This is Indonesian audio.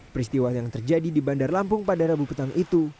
peristiwa yang terjadi di bandar lampung pada rabu petang itu